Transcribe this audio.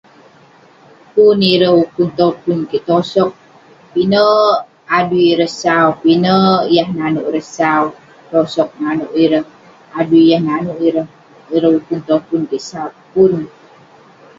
Pun ireh ukun topun kik tosoq, pinek adui ireh sau, pinek yah naneuk ireh sau, tosoq naneuk ireh, adui yah naneuk ireh. Ireh ukun topun kik sau, pun.